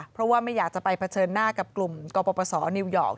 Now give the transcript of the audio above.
เพราะว่าไม่อยากจะไปเผชิญหน้ากับกลุ่มกปศนิวยอร์ก